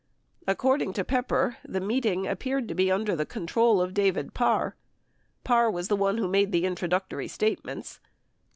According to Pepper, "... the meeting appeared to be under the control of David Parr." 49 Parr was the one who made the intro ductory statements.